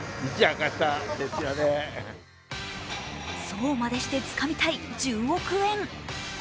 そうまでしてつかみたい１０億円。